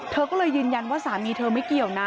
เธอก็เลยยืนยันว่าสามีเธอไม่เกี่ยวนะ